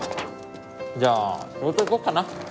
じゃあ仕事行こっかな。